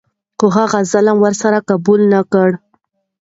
خو هغه ظلم ور سره قبوله نه کړه.